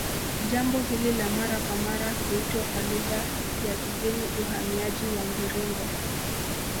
Jambo hili la mara kwa mara huitwa kwa lugha ya kigeni uhamiaji wa mviringo